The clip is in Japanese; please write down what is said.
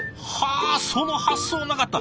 あその発想はなかった。